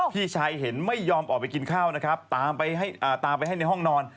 พี่ชายเห็นไม่ยอมออกไปกินข้าวนะครับตามไปให้ในห้องนอน